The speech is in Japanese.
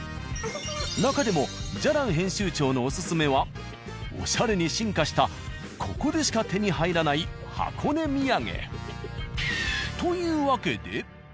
なかでも「じゃらん」編集長のオススメはオシャレに進化したここでしか手に入らない箱根土産。